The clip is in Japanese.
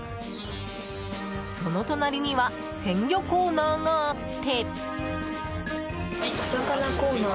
その隣には鮮魚コーナーがあって。